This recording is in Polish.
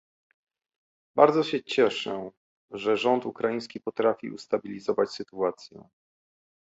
Bardzo się cieszę, że rząd ukraiński potrafi ustabilizować sytuację